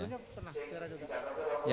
sebenarnya pernah berziarah juga